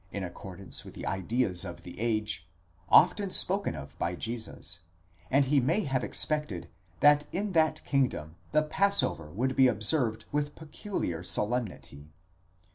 accordance with the ideas of the age, often spoken of by Jesus, and he may have expected that in that kingdom the Passover would be observed with peculiar solemnity.